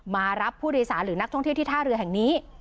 มารับผู้โดยสารหรือนักท่องเที่ยวที่ท่าเรือแห่งนี้